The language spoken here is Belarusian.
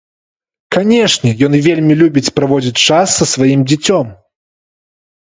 Канечне, ён вельмі любіць праводзіць час са сваім дзіцём.